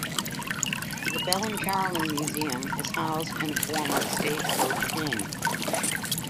The Bell and Carillon Museum is housed in a former stagecoach inn.